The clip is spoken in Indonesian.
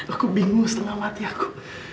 aku bingung setengah mati aku